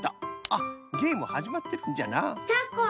あっげえむはじまってるんじゃな。